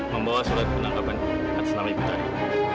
membawa surat penangkapan atas nama ibu tadi